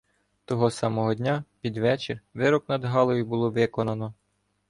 Того самого дня під вечір вирок над Галею було виконано.